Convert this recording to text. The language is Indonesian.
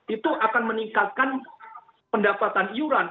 itu akan meningkatkan pendapatan iuran